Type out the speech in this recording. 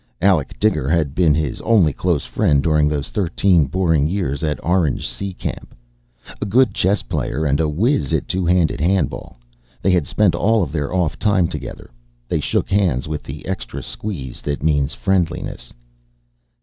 Alec Diger had been his only close friend during those thirteen boring years at Orange Sea Camp. A good chess player and a whiz at Two handed Handball, they had spent all their off time together. They shook hands, with the extra squeeze that means friendliness.